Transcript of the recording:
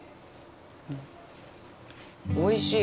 おいしい。